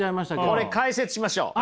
これ解説しましょう！